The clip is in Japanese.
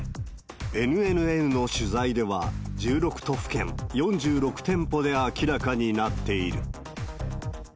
ＮＮＮの取材では、１６都府県４６店舗で明らかになっている。